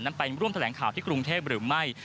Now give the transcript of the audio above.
ไปร่วมแถลงข่าวที่กรุงเทพหรือไม่